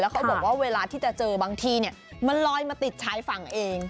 เขาบอกว่าเวลาที่จะเจอบางทีมันลอยมาติดชายฝั่งเอง